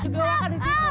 juga wakan di situ